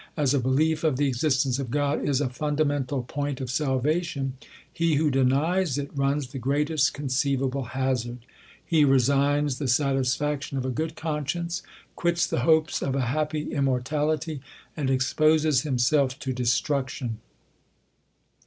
As a be lief of the existence of God is a fundamental point of salvation, he who denies it runs the greatest conceivable hazard. He resigns the satisfaction of a good conscience, quits the hopes of a happy immortality, and exposes himself to destruction.